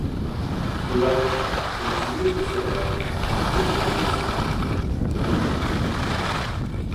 La pluie continuait de faire la rue complètement déserte.